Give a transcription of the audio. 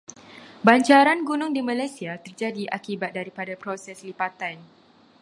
Banjaran gunung di Malaysia terjadi akibat daripada proses lipatan.